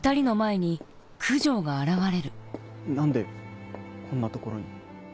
何でこんな所に。